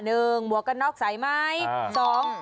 ๑หมวกกันนอกใส่ไหม